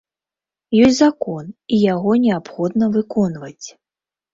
Ёсць закон, і яго неабходна выконваць.